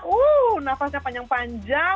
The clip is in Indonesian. uh nafasnya panjang panjang